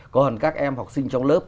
còn các em học sinh trong lớp